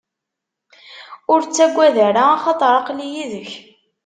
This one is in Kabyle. Ur ttagad ara, axaṭer aql-i yid-k.